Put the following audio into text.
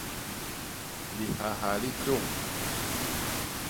Lihaha li tôñ.